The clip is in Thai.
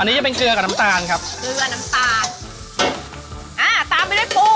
อันนี้จะเป็นเกลือกับน้ำตาลครับเกลือน้ำตาลอ่าตามไปด้วยปู